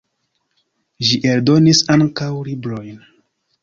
Ĝi eldonis ankaŭ librojn.